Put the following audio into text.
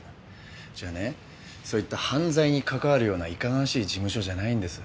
うちはねそういった犯罪に関わるようないかがわしい事務所じゃないんです。